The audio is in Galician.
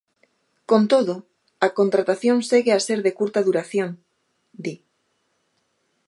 Con todo, a contratación segue a ser de curta duración, di.